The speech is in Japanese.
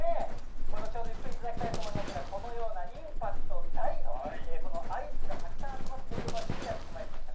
後ほどゆっくり頂きたいと思いますが、このようなインパクト大のこのアイスがたくさん集まっている場所にやってまいりました。